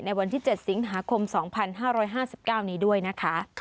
วันที่๗สิงหาคม๒๕๕๙นี้ด้วยนะคะ